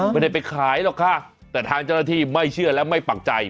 ไม่ได้ไปขายหรอกค่ะแต่ทางเจ้าหน้าที่ไม่เชื่อและไม่ปักใจ